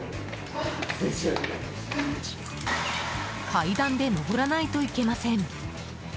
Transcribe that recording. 階段で上らないといけません。